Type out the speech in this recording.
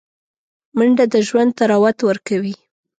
منډه د ژوند طراوت ورکوي